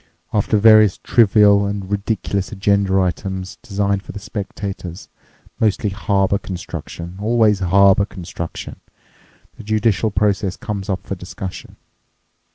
After various trivial and ridiculous agenda items designed for the spectators—mostly harbour construction—always harbour construction—the judicial process comes up for discussion.